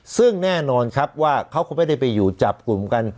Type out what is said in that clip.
ซึ่งแน่นอนครับว่าเขาคงไม่ได้ไปอยู่จับกลุ่มกัน